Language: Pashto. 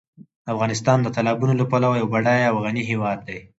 افغانستان د تالابونو له پلوه یو بډایه او غني هېواد دی.